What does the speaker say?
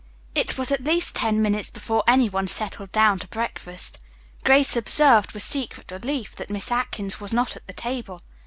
It was at least ten minutes before any one settled down to breakfast. Grace observed with secret relief that Miss Atkins was not at the table.